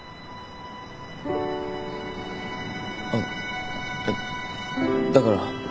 あっえっだから。